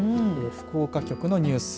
福岡局のニュース。